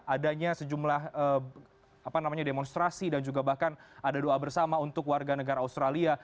adanya sejumlah demonstrasi dan juga bahkan ada doa bersama untuk warga negara australia